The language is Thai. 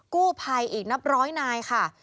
กู้ภัยอีกนับร้อยนายค่ะ